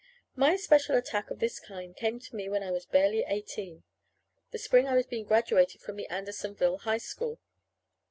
My especial attack of this kind came to me when I was barely eighteen, the spring I was being graduated from the Andersonville High School.